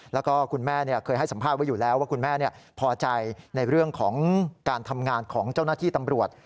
แล้วก็คุณแม่เคยให้สัมภาษณ์ไว้อยู่แล้วว่าคุณแม่พอใจในเรื่องของการทำงานของเจ้าหน้าที่ตำรวจ